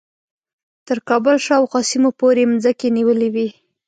تر کابل شاوخوا سیمو پورې مځکې نیولې وې.